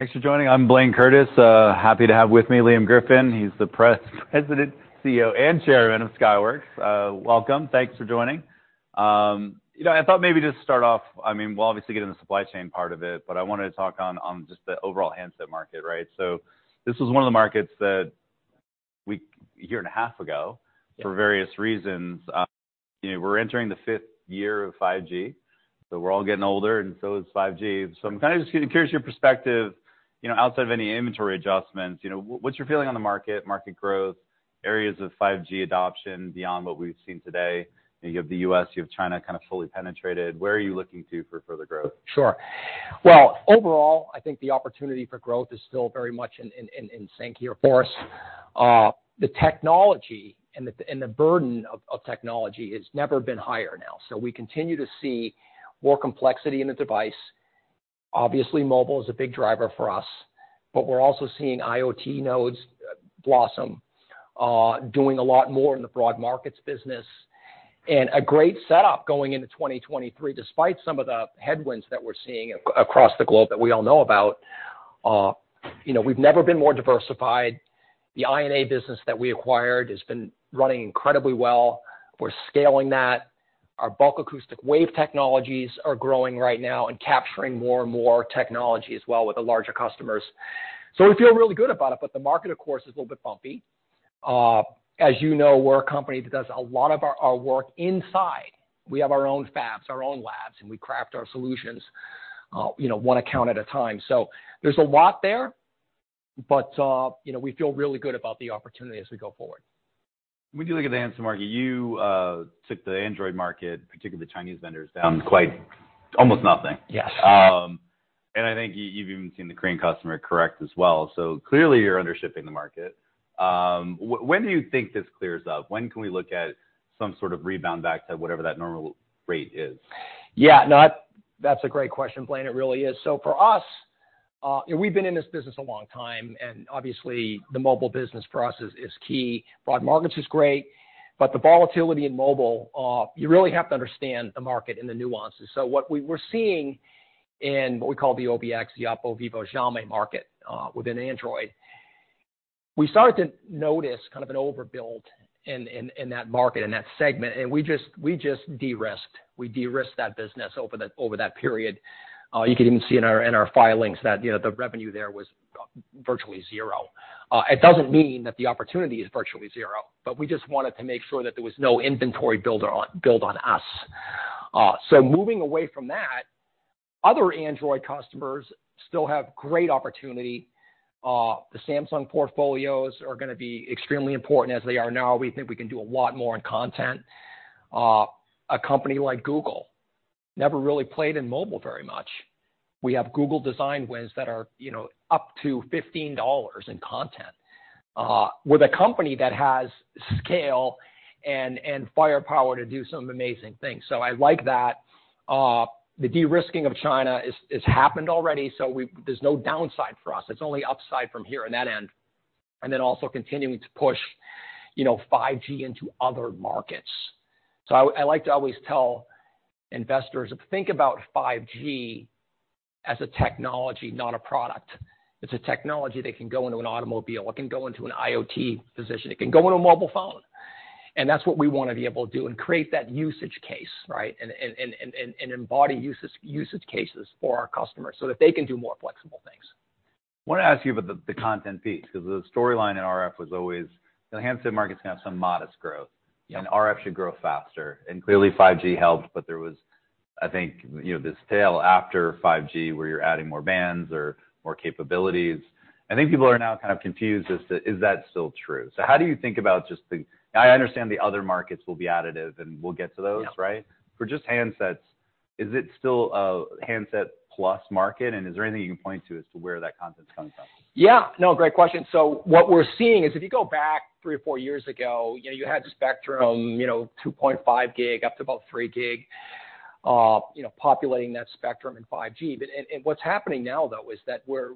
Thanks for joining. I'm Blayne Curtis. Happy to have with me Liam Griffin. He's the President, CEO, and Chairman of Skyworks. Welcome. Thanks for joining. You know, I thought maybe just start off, I mean, we'll obviously get in the supply chain part of it, but I wanted to talk on just the overall handset market, right? This was one of the markets that we a year and a half ago- Yeah. For various reasons, you know, we're entering the fifth year of 5G, so we're all getting older, and so is 5G. I'm kinda just curious your perspective, you know, outside of any inventory adjustments, you know, what's your feeling on the market growth, areas of 5G adoption beyond what we've seen today? You have the U.S., you have China kind of fully penetrated. Where are you looking to for further growth? Sure. Well, overall, I think the opportunity for growth is still very much in sync here for us. The technology and the burden of technology has never been higher now. We continue to see more complexity in the device. Obviously, mobile is a big driver for us, but we're also seeing IoT nodes blossom, doing a lot more in the broad markets business, and a great setup going into 2023, despite some of the headwinds that we're seeing across the globe that we all know about. You know, we've never been more diversified. The I&A business that we acquired has been running incredibly well. We're scaling that. Our Bulk Acoustic Wave technologies are growing right now and capturing more and more technology as well with the larger customers. We feel really good about it, but the market, of course, is a little bit bumpy. As you know, we're a company that does a lot of our work inside. We have our own fabs, our own labs, and we craft our solutions, you know, one account at a time. There's a lot there, but, you know, we feel really good about the opportunity as we go forward. When you look at the handset market, you took the Android market, particularly the Chinese vendors, down almost nothing. Yes. I think you've even seen the Korean customer correct as well. Clearly you're under shipping the market. When do you think this clears up? When can we look at some sort of rebound back to whatever that normal rate is? Yeah, no, that's a great question, Blayne. It really is. For us, you know, we've been in this business a long time, and obviously the mobile business for us is key. Broad markets is great, but the volatility in mobile, you really have to understand the market and the nuances. What we were seeing in what we call the OVX, the Oppo, Vivo, Xiaomi market, within Android, we started to notice kind of an overbuild in that market, in that segment, and we just de-risked. We de-risked that business over that period. You can even see in our filings that, you know, the revenue there was virtually zero. It doesn't mean that the opportunity is virtually zero, but we just wanted to make sure that there was no inventory build on us. Moving away from that, other Android customers still have great opportunity. The Samsung portfolios are gonna be extremely important as they are now. We think we can do a lot more in content. A company like Google never really played in mobile very much. We have Google design wins that are, you know, up to $15 in content with a company that has scale and firepower to do some amazing things. I like that. The de-risking of China is happened already, there's no downside for us. It's only upside from here on that end. Also continuing to push, you know, 5G into other markets. I like to always tell investors, think about 5G as a technology, not a product. It's a technology that can go into an automobile, it can go into an IoT position, it can go into a mobile phone. That's what we wanna be able to do, and create that usage case, right? Embody usage cases for our customers so that they can do more flexible things. I wanna ask you about the content piece, 'cause the storyline in RF was always the handset market's gonna have some modest growth. Yeah. RF should grow faster. Clearly 5G helped, but there was, I think, you know, this tail after 5G where you're adding more bands or more capabilities. I think people are now kind of confused as to, is that still true? How do you think about just the... I understand the other markets will be additive, and we'll get to those. Yeah. Right? For just handsets, is it still a handset plus market, and is there anything you can point to as to where that content's coming from? Yeah. No, great question. What we're seeing is if you go back three or four years ago, you know, you had spectrum, you know, 2.5 Gb up to about 3 Gb, you know, populating that spectrum in 5G. What's happening now, though, is that we're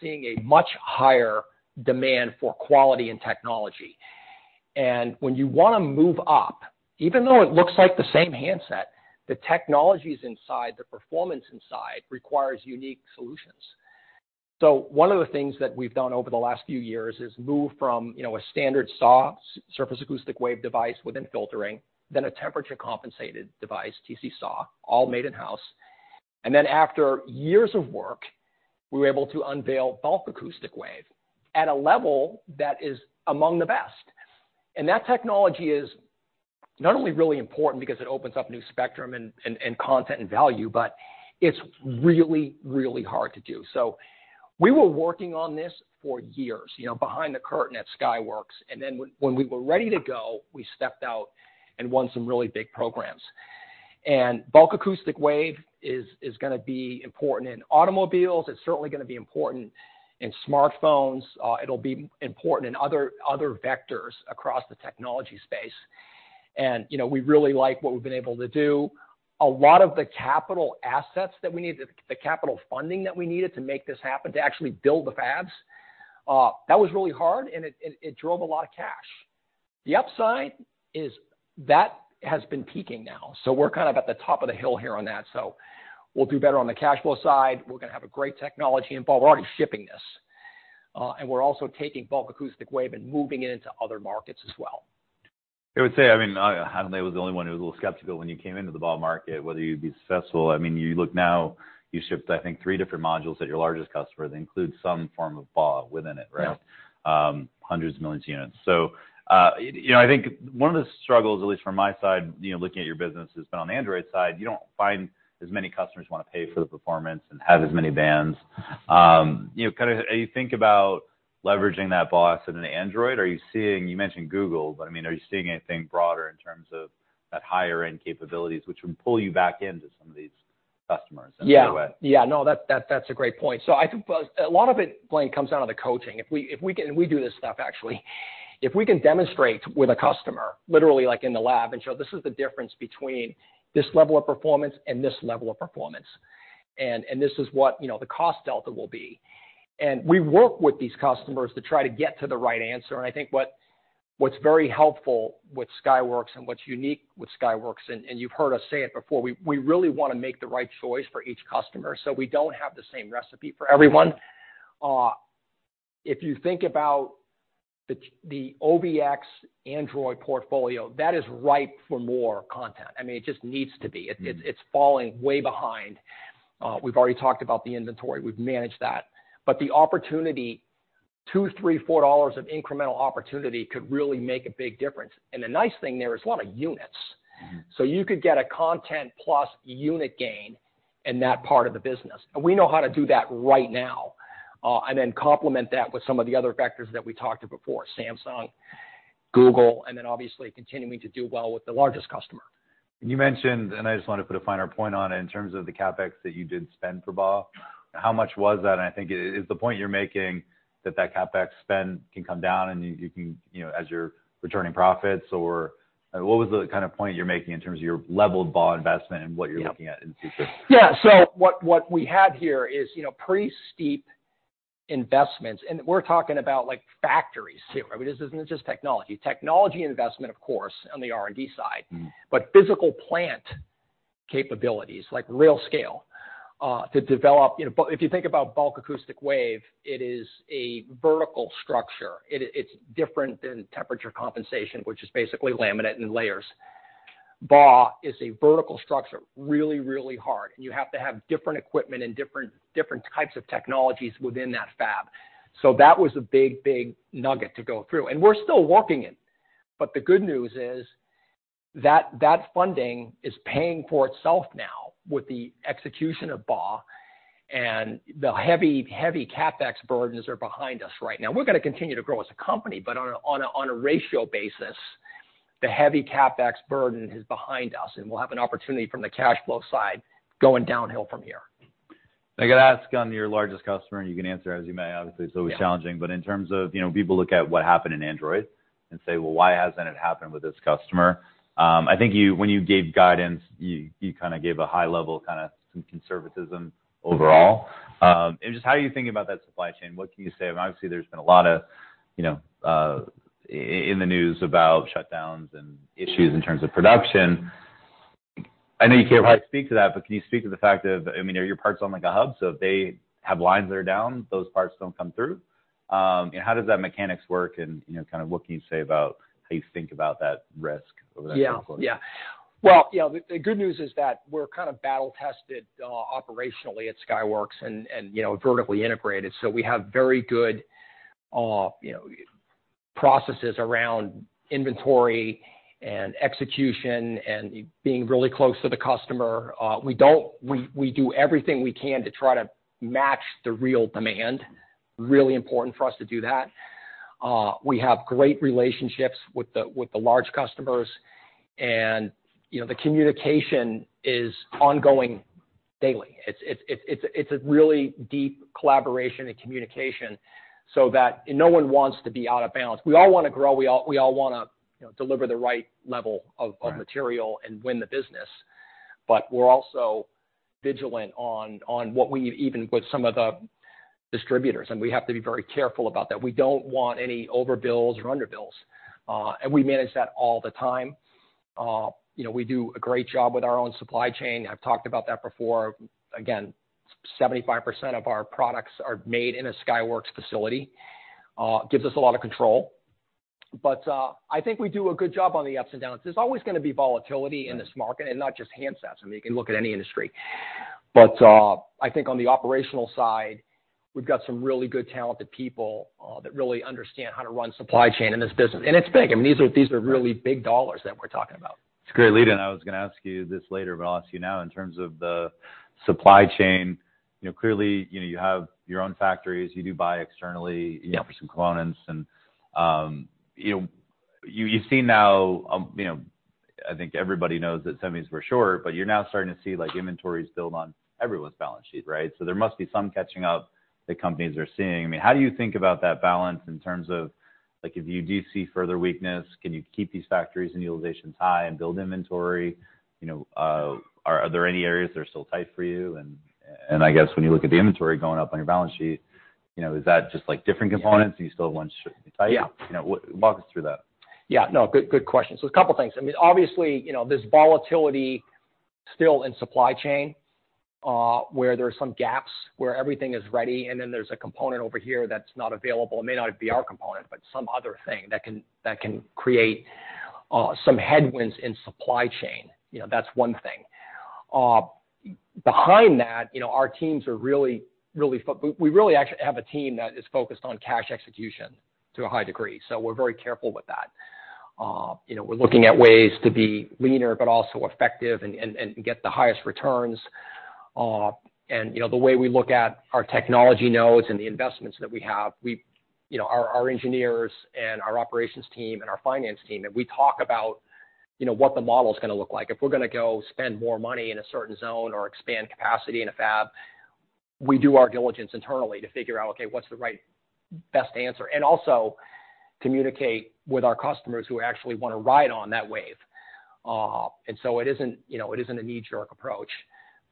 seeing a much higher demand for quality and technology. When you wanna move up, even though it looks like the same handset, the technologies inside, the performance inside requires unique solutions. One of the things that we've done over the last few years is move from, you know, a standard SAW, Surface Acoustic Wave device within filtering, then a Temperature-Compensated device, TC SAW, all made in-house. After years of work, we were able to unveil Bulk Acoustic Wave at a level that is among the best. That technology is not only really important because it opens up new spectrum and content and value, but it's really, really hard to do. We were working on this for years, you know, behind the curtain at Skyworks, and then when we were ready to go, we stepped out and won some really big programs. Bulk Acoustic Wave is gonna be important in automobiles. It's certainly gonna be important in smartphones. It'll be important in other vectors across the technology space. You know, we really like what we've been able to do. A lot of the capital assets that we needed, the capital funding that we needed to make this happen, to actually build the fabs, that was really hard, and it drove a lot of cash. The upside is that has been peaking now, so we're kind of at the top of the hill here on that. We'll do better on the cash flow side. We're gonna have a great technology involved. We're already shipping this, and we're also taking Bulk Acoustic Wave and moving it into other markets as well. I would say, I mean, I don't think I was the only one who was a little skeptical when you came into the BAW market, whether you'd be successful. I mean, you look now, you shipped, I think, three different modules at your largest customer. They include some form of BAW within it, right? Yeah. hundreds of millions of units. you know, I think one of the struggles, at least from my side, you know, looking at your business, has been on the Android side, you don't find as many customers who wanna pay for the performance and have as many bands. you know, kind of are you think about leveraging that BAW in an Android? You mentioned Google, but, I mean, are you seeing anything broader in terms of that higher-end capabilities, which would pull you back into some of these customers in a way? Yeah. No, that's a great point. I think a lot of it, Blayne, comes down to the coaching. We do this stuff actually. If we can demonstrate with a customer, literally, like in the lab, and show this is the difference between this level of performance and this level of performance, and this is what, you know, the cost delta will be. We work with these customers to try to get to the right answer. I think what's very helpful with Skyworks and what's unique with Skyworks, and you've heard us say it before, we really wanna make the right choice for each customer, so we don't have the same recipe for everyone. If you think about the OVX Android portfolio, that is ripe for more content. I mean, it just needs to be. Mm-hmm. It's falling way behind. We've already talked about the inventory. We've managed that. The opportunity, $2, $3, $4 of incremental opportunity could really make a big difference. The nice thing there is a lot of units. Mm-hmm. You could get a content plus unit gain in that part of the business. We know how to do that right now, and then complement that with some of the other vectors that we talked before, Samsung, Google, and then obviously continuing to do well with the largest customer. You mentioned, and I just wanted to put a finer point on it, in terms of the CapEx that you did spend for BAW, how much was that? I think is the point you're making that that CapEx spend can come down and you can, you know, as you're returning profits or, what was the kind of point you're making in terms of your level of BAW investment and what you're looking at in the future? Yeah. What we had here is, you know, pretty steep investments, and we're talking about like factories too. I mean, this isn't just technology. Technology investment, of course, on the R&D side. Mm-hmm. Physical plant capabilities, like real scale, to develop. You know, if you think about Bulk Acoustic Wave, it is a vertical structure. It's different than temperature compensation, which is basically laminate and layers. BAW is a vertical structure, really, really hard, and you have to have different equipment and different types of technologies within that fab. That was a big, big nugget to go through, and we're still working it. The good news is that that funding is paying for itself now with the execution of BAW and the heavy CapEx burdens are behind us right now. We're gonna continue to grow as a company, but on a ratio basis, the heavy CapEx burden is behind us, and we'll have an opportunity from the cash flow side going downhill from here. I gotta ask on your largest customer. You can answer as you may, obviously, it's always challenging. Yeah. In terms of, you know, people look at what happened in Android and say, "Well, why hasn't it happened with this customer?" I think you when you gave guidance, you kinda gave a high level, kinda some conservatism overall. Just how are you thinking about that supply chain? What can you say? I mean, obviously, there's been a lot of, you know, in the news about shutdowns and issues in terms of production. I know you can't really speak to that, can you speak to the fact of, I mean, are your parts on like a hub? If they have lines that are down, those parts don't come through. How does that mechanics work and, you know, kind of what can you say about how you think about that risk over that standpoint? Yeah. Well, you know, the good news is that we're kind of battle tested, operationally at Skyworks and, you know, vertically integrated. We have very good, you know, processes around inventory and execution and being really close to the customer. We do everything we can to try to match the real demand. Really important for us to do that. We have great relationships with the large customers and, you know, the communication is ongoing daily. It's a really deep collaboration and communication. No one wants to be out of balance. We all wanna grow, we all wanna, you know, deliver the right level of material. Right. win the business. We're also vigilant on what we've even with some of the distributors, and we have to be very careful about that. We don't want any overbills or underbills, and we manage that all the time. You know, we do a great job with our own supply chain. I've talked about that before. Again, 75% of our products are made in a Skyworks facility, gives us a lot of control. I think we do a good job on the ups and downs. There's always gonna be volatility in this market, and not just handsets. I mean, you can look at any industry. I think on the operational side, we've got some really good talented people, that really understand how to run supply chain in this business. It's big. I mean, these are really big dollars that we're talking about. It's a great lead in. I was gonna ask you this later, but I'll ask you now. In terms of the supply chain, you know, clearly, you know, you have your own factories. You do buy externally- Yeah. for some components. You know, you see now, you know, I think everybody knows that semis were short, but you're now starting to see like inventories build on everyone's balance sheet, right? There must be some catching up that companies are seeing. I mean, how do you think about that balance in terms of like if you do see further weakness, can you keep these factories and utilizations high and build inventory? You know, are there any areas that are still tight for you? I guess when you look at the inventory going up on your balance sheet, you know, is that just like different components? Do you still have one? You know, walk us through that. Yeah. No. Good question. A couple of things. I mean, obviously, you know, there's volatility still in supply chain, where there are some gaps where everything is ready, and then there's a component over here that's not available. It may not be our component, but some other thing that can create some headwinds in supply chain. You know, that's one thing. Behind that, you know, our teams are really focused. We really actually have a team that is focused on cash execution to a high degree, so we're very careful with that. You know, we're looking at ways to be leaner but also effective and get the highest returns. You know, the way we look at our technology nodes and the investments that we have, you know, our engineers and our operations team and our finance team, we talk about, you know, what the model is gonna look like. If we're gonna go spend more money in a certain zone or expand capacity in a fab, we do our diligence internally to figure out, okay, what's the right best answer? Also communicate with our customers who actually wanna ride on that wave. It isn't, you know, it isn't a knee-jerk approach,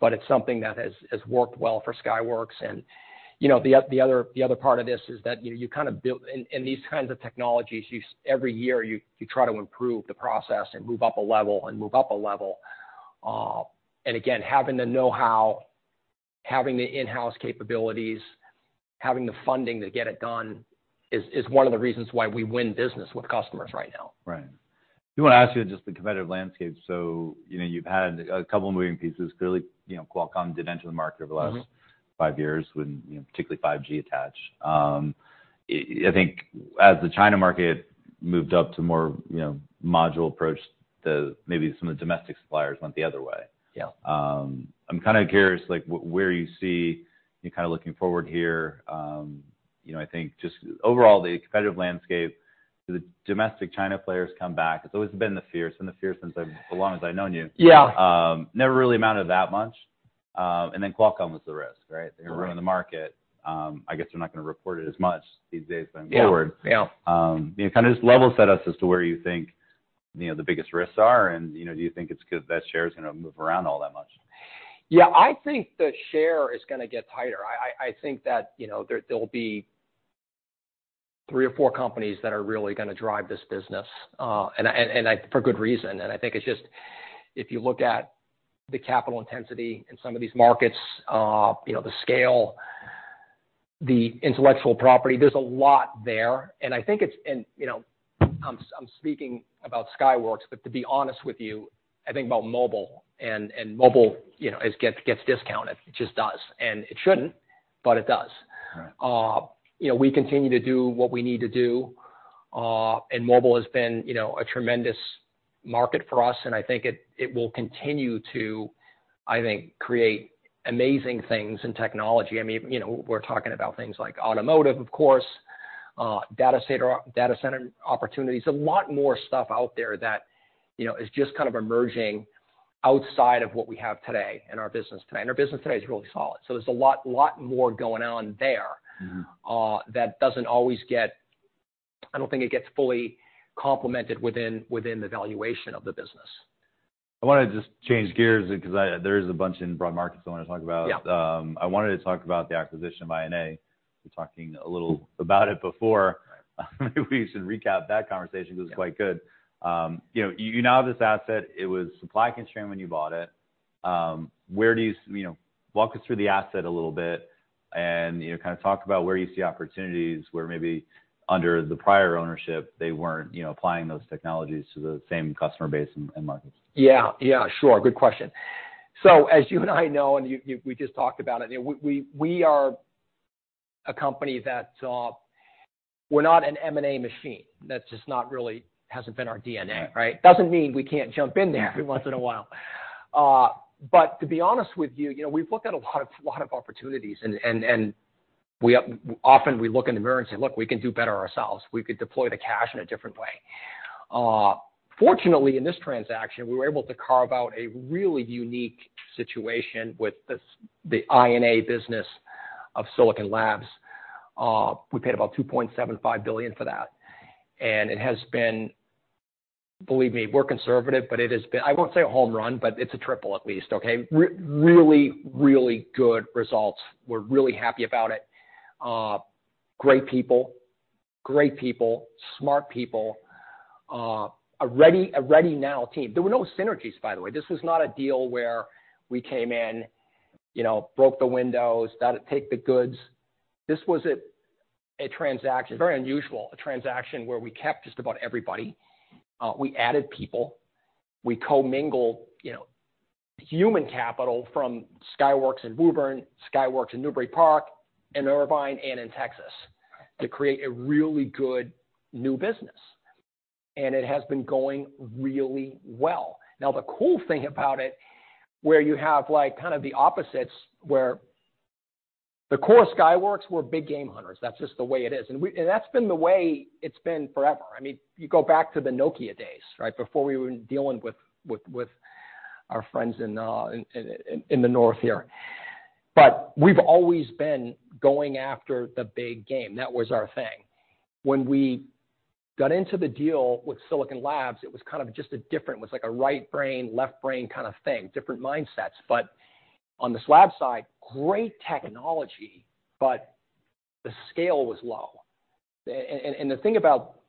but it's something that has worked well for Skyworks. You know, the other, the other part of this is that, you know, you kinda build... In these kinds of technologies, you every year, you try to improve the process and move up a level. Again, having the know-how, having the in-house capabilities, having the funding to get it done is one of the reasons why we win business with customers right now. Right. Do wanna ask you just the competitive landscape. You know, you've had a couple of moving pieces. Clearly, you know, Qualcomm did enter the market over the last- Mm-hmm. five years when, you know, particularly 5G attached. I think as the China market moved up to more, you know, module approach, maybe some of the domestic suppliers went the other way. Yeah. I'm kinda curious, like, where you see, you know, kind of looking forward here, you know, I think just overall the competitive landscape, do the domestic China players come back? It's always been the fierce as long as I've known you. Yeah. never really amounted that much. Qualcomm was the risk, right? Right. They were ruining the market. I guess they're not gonna report it as much these days going forward. Yeah. Yeah. You know, kind of just level set us as to where you think, you know, the biggest risks are, and, you know, do you think it's 'cause that share is gonna move around all that much? Yeah. I think the share is gonna get tighter. I think that, you know, there'll be three or four companies that are really gonna drive this business, for good reason. I think it's just if you look at the capital intensity in some of these markets, you know, the scale, the intellectual property, there's a lot there. You know, I'm speaking about Skyworks, but to be honest with you, I think about Mobile, and Mobile, you know, gets discounted. It just does, and it shouldn't, but it does. Right. You know, we continue to do what we need to do. Mobile has been, you know, a tremendous market for us, and I think it will continue to, I think, create amazing things in technology. I mean, you know, we're talking about things like automotive, of course, data center, data center opportunities. A lot more stuff out there that, you know, is just kind of emerging outside of what we have today in our business today. Our business today is really solid. So there's a lot more going on there- Mm-hmm. That doesn't always get, I don't think it gets fully complemented within the valuation of the business. I wanna just change gears because there is a bunch in broad markets I wanna talk about. Yeah. I wanted to talk about the acquisition of I&A. We were talking a little about it before. Maybe we should recap that conversation 'cause it's quite good. You know, you now have this asset. It was supply constrained when you bought it. You know, walk us through the asset a little bit and, you know, kind of talk about where you see opportunities where maybe under the prior ownership, they weren't, you know, applying those technologies to the same customer base and markets. Yeah. Yeah, sure. Good question. As you and I know, and you, we just talked about it. You know, we are a company that we're not an M&A machine. That's just not hasn't been our DNA, right? Right. Doesn't mean we can't jump in there every once in a while. To be honest with you know, we've looked at a lot of opportunities and we often look in the mirror and say, "Look, we can do better ourselves. We could deploy the cash in a different way." Fortunately, in this transaction, we were able to carve out a really unique situation with this, the I&A business of Silicon Labs. We paid about $2.75 billion for that. It has been... Believe me, we're conservative, but it has been... I won't say a home run, but it's a triple at least, okay. Really, really good results. We're really happy about it. Great people. Great people, smart people, a ready-now team. There were no synrgies, by the way. This was not a deal where we came in, you know, broke the windows, gotta take the goods. This was a transaction, very unusual, a transaction where we kept just about everybody. We added people. We commingled, you know, human capital from Skyworks in Woburn, Skyworks in Newbury Park, in Irvine and in Texas to create a really good new business. It has been going really well. Now, the cool thing about it, where you have, like, kind of the opposites, where the core Skyworks were big game hunters. That's just the way it is. That's been the way it's been forever. I mean, you go back to the Nokia days, right? Before we were dealing with, with our friends in, in the North here. We've always been going after the big game. That was our thing. When we got into the deal with Silicon Labs. It was kind of just a different. It was like a right brain, left brain kind of thing, different mindsets. On the Silicon Labs side, great technology, but the scale was low. And the thing about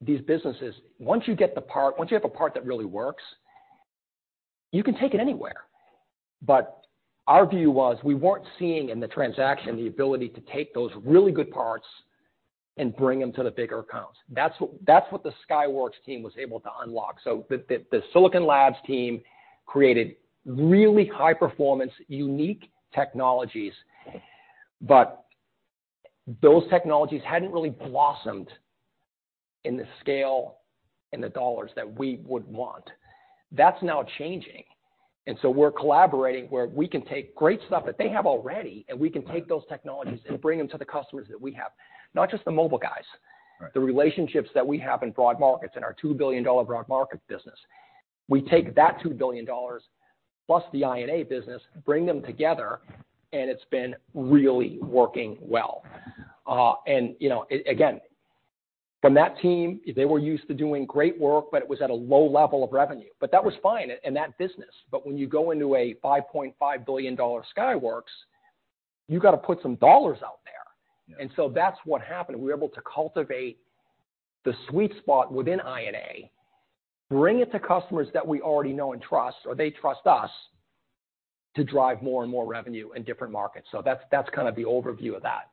these businesses, once you get the part. Once you have a part that really works, you can take it anywhere. Our view was we weren't seeing in the transaction the ability to take those really good parts and bring them to the bigger accounts. That's what the Skyworks team was able to unlock. The Silicon Labs team created really high performance, unique technologies, but those technologies hadn't really blossomed in the scale and the dollars that we would want. That's now changing. We're collaborating where we can take great stuff that they have already, and we can take those technologies and bring them to the customers that we have. Not just the mobile guys. Right. The relationships that we have in broad markets, in our $2 billion broad market business. We take that $2 billion+ the I&A business, bring them together. It's been really working well. You know, again, from that team, they were used to doing great work, but it was at a low level of revenue. That was fine in that business. When you go into a $5.5 billion Skyworks, you gotta put some dollars out there. Yeah. That's what happened. We were able to cultivate the sweet spot within I&A, bring it to customers that we already know and trust, or they trust us to drive more and more revenue in different markets. That's kind of the overview of that.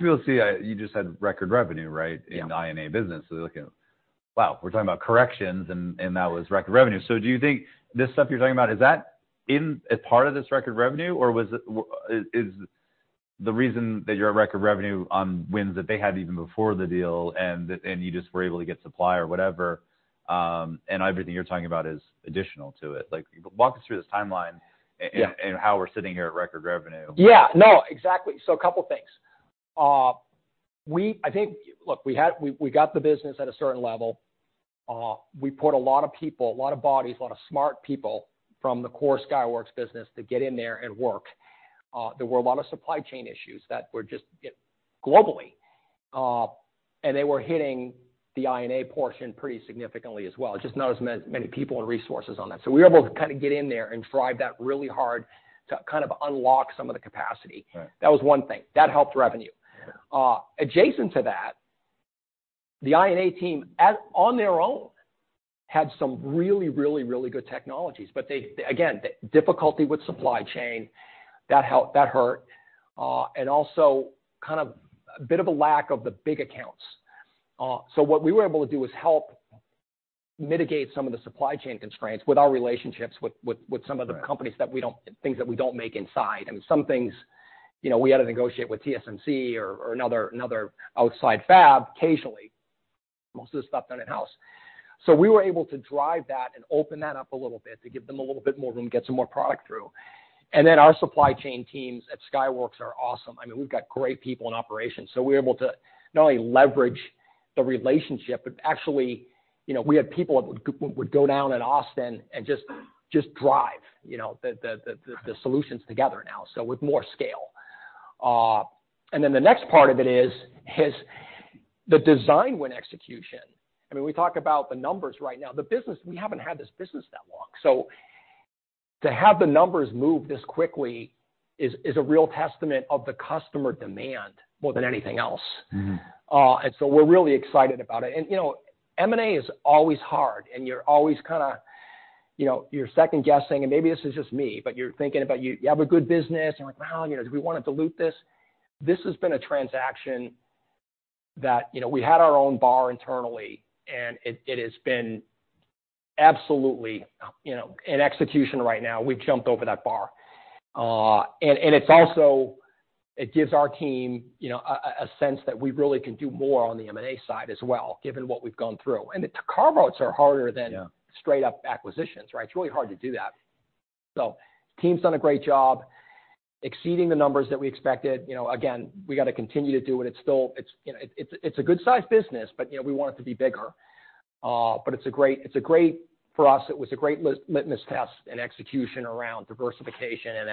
We all see, you just had record revenue, right? Yeah. In the I&A business. We're looking at, wow, we're talking about corrections and that was record revenue. Do you think this stuff you're talking about, is that in as part of this record revenue? Or is the reason that you're at record revenue on wins that they had even before the deal and you just were able to get supply or whatever, and everything you're talking about is additional to it? Like walk us through this timeline? Yeah ...and how we're sitting here at record revenue. Yeah. No, exactly. A couple things. I think, look, we got the business at a certain level. We put a lot of people, a lot of bodies, a lot of smart people from the core Skyworks business to get in there and work. There were a lot of supply chain issues that were just globally, and they were hitting the I&A portion pretty significantly as well, just not as many people and resources on that. We were able to kinda get in there and drive that really hard to kind of unlock some of the capacity. Right. That was one thing. That helped revenue. Adjacent to that, the I&A team on their own had some really good technologies, but they, again, the difficulty with supply chain, that hurt. Also kind of a bit of a lack of the big accounts. What we were able to do is help mitigate some of the supply chain constraints with our relationships with some of- Right ...the companies that we don't things that we don't make inside. I mean, some things, you know, we had to negotiate with TSMC or another outside fab occasionally. Most of the stuff done in-house. We were able to drive that and open that up a little bit to give them a little bit more room, get some more product through. Our supply chain teams at Skyworks are awesome. I mean, we've got great people in operations. We're able to not only leverage the relationship, but actually, you know, we had people that would go down in Austin and just drive, you know, the solutions together now, so with more scale. The next part of it is the design win execution. I mean, we talk about the numbers right now. The business, we haven't had this business that long. To have the numbers move this quickly is a real testament of the customer demand more than anything else. Mm-hmm. We're really excited about it. You know, M&A is always hard, and you're always kinda, you know, you're second guessing, and maybe this is just me, but you're thinking about you have a good business, and like, well, you know, do we wanna dilute this? This has been a transaction that, you know, we had our own bar internally, and it has been absolutely, you know, in execution right now, we've jumped over that bar. It's also it gives our team, you know, a sense that we really can do more on the M&A side as well, given what we've gone through. The carve-outs are harder than- Yeah straight up acquisitions, right? It's really hard to do that. Team's done a great job exceeding the numbers that we expected. You know, again, we gotta continue to do it. It's still, you know, it's a good size business, but, you know, we want it to be bigger. But it's a great, for us, it was a great litmus test and execution around diversification and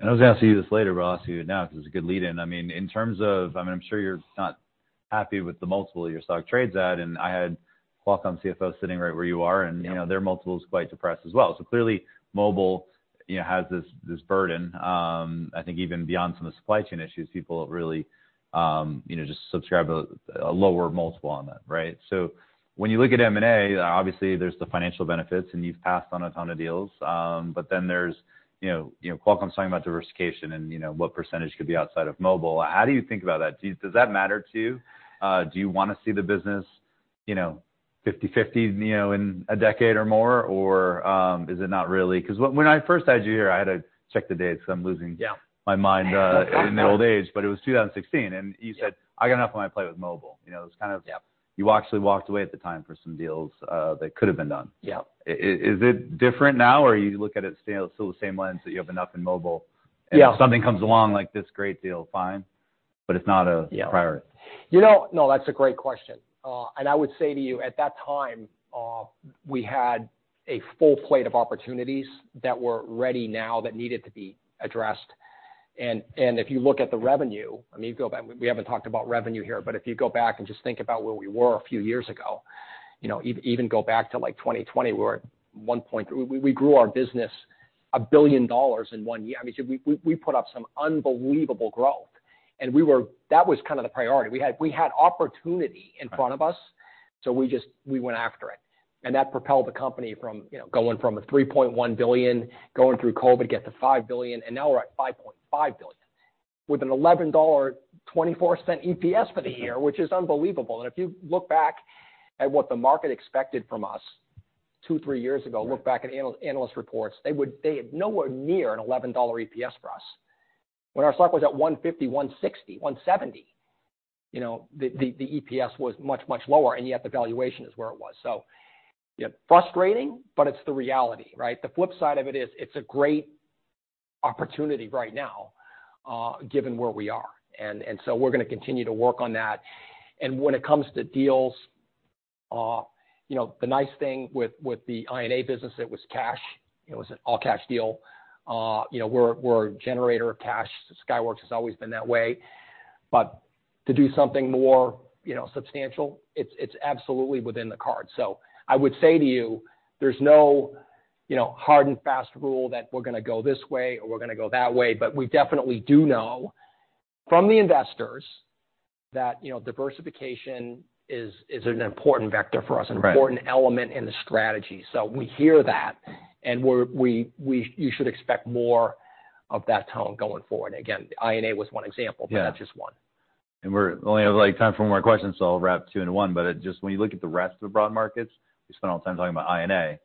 M&A. I was gonna ask you this later, but I'll ask you now 'cause it's a good lead in. I mean, in terms of... I mean, I'm sure you're not happy with the multiple your stock trades at, and I had Akash Palkhiwala sitting right where you are. Yeah ...you know, their multiple is quite depressed as well. Clearly, mobile, you know, has this burden. I think even beyond some of the supply chain issues, people really, you know, just subscribe a lower multiple on that, right? When you look at M&A, obviously there's the financial benefits, and you've passed on a ton of deals. Then there's, you know, Qualcomm's talking about diversification and, you know, what percentage could be outside of mobile. How do you think about that? Does that matter to you? Do you wanna see the business, you know, 50/50, you know, in a decade or more, or, is it not really? 'Cause when I first had you here, I had to check the dates because I'm losing- Yeah ...my mind, in old age, but it was 2016. You said- Yeah I got enough when I play with mobile. You know, it was kind of. Yeah you actually walked away at the time for some deals that could have been done. Yeah. Is it different now, or you look at it still the same lens that you have enough in mobile? Yeah. If something comes along like this great deal, fine, but it's not. Yeah ...priority. You know, no, that's a great question. I would say to you, at that time, we had a full plate of opportunities that were ready now that needed to be addressed. If you look at the revenue, I mean, you go back. We haven't talked about revenue here, but if you go back and just think about where we were a few years ago, you know, even go back to, like, 2020, we were at one point. We grew our business $1 billion in 1 year. I mean, we put up some unbelievable growth. That was kind of the priority. We had opportunity in front of us, so we just went after it. That propelled the company from, you know, going from a $3.1 billion, going through COVID to get to $5 billion, and now we're at $5.5 billion with an $11.24 EPS for the year, which is unbelievable. If you look back at what the market expected from us two, three years ago, look back at analyst reports, they had nowhere near an $11 EPS for us. When our stock was at 150, 160, 170, you know, the EPS was much lower, yet the valuation is where it was. Yeah, frustrating, but it's the reality, right? The flip side of it is it's a great opportunity right now, given where we are. We're gonna continue to work on that. When it comes to deals, you know, the nice thing with the I&A business, it was cash. It was an all-cash deal. You know, we're a generator of cash. Skyworks has always been that way. To do something more, you know, substantial, it's absolutely within the cards. I would say to you, there's no, you know, hard and fast rule that we're gonna go this way or we're gonna go that way, but we definitely do know from the investors that, you know, diversification is an important vector for us. Right. an important element in the strategy. We hear that, and we're, we should expect more of that tone going forward. Again, I&A was one example. Yeah. not just one. We're only have, like, time for one more question, so I'll wrap two into one. Just when you look at the rest of the broad markets, we spent all the time talking about I&A. Yeah.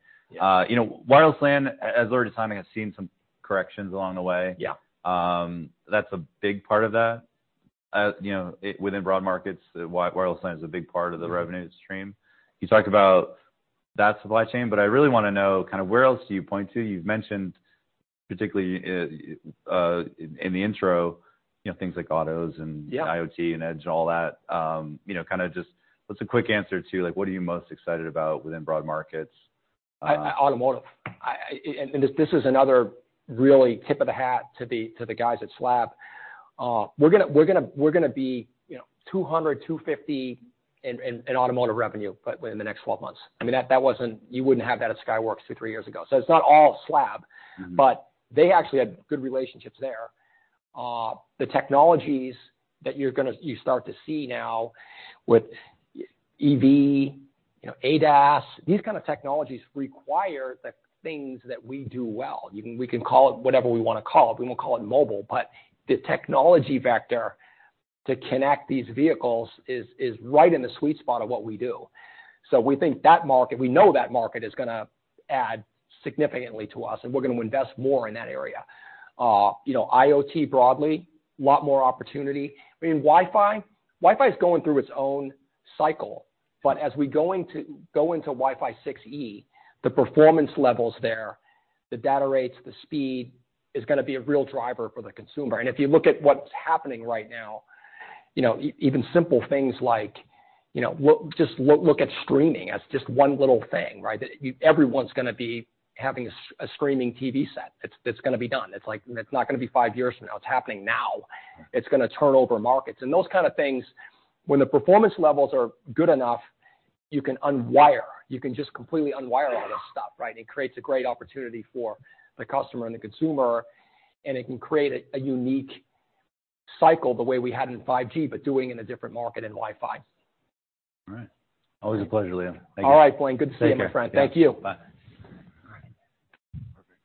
you know, wireless LAN, as already timing, has seen some corrections along the way. Yeah. That's a big part of that. you know, within broad markets, wireless LAN is a big part of the revenue stream. You talked about that supply chain, I really wanna know kind of where else do you point to. You've mentioned particularly, in the intro, you know, things like autos and- Yeah. IoT and Edge and all that. You know, kind of just what's a quick answer to, like, what are you most excited about within broad markets? Automotive. This is another really tip of the hat to the guys at SLAB. We're gonna be, you know, $200-$250 in automotive revenue in the next 12 months. I mean, that wasn't, you wouldn't have that at Skyworks two, three years ago. It's not all SLAB. Mm-hmm. They actually had good relationships there. The technologies that you start to see now with EV, you know, ADAS, these kind of technologies require the things that we do well. We can call it whatever we wanna call it. We won't call it mobile, the technology vector to connect these vehicles is right in the sweet spot of what we do. We think that market, we know that market is gonna add significantly to us, and we're gonna invest more in that area. You know, IoT broadly, a lot more opportunity. I mean, Wi-Fi, Wi-Fi is going through its own cycle. As we go into Wi-Fi 6E, the performance levels there, the data rates, the speed is gonna be a real driver for the consumer. If you look at what's happening right now, you know, even simple things like, you know, look, just look at streaming as just one little thing, right? Everyone's gonna be having a streaming TV set. It's, it's gonna be done. It's like, it's not gonna be five years from now. It's happening now. It's gonna turn over markets. Those kind of things, when the performance levels are good enough, you can unwire. You can just completely unwire all this stuff, right? It creates a great opportunity for the customer and the consumer, and it can create a unique cycle the way we had in 5G, but doing in a different market in Wi-Fi. All right. Always a pleasure, Liam. Thank you. All right, Blayne. Good to see you, my friend. Take care. Yeah. Thank you. Bye. All right.